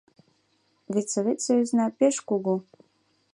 — Вет Совет Союзна пеш кугу!